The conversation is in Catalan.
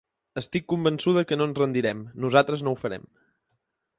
Estic convençuda que no ens rendirem; nosaltres no ho farem.